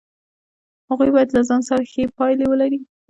هغوی باید له ځان سره ښې پایلې ولري.